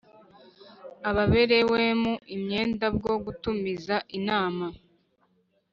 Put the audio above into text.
ababerewemo imyenda bwo gutumiza inama